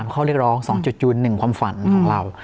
ข้อเรียกร้อง๒จุดยูน๑ความฝันของเรา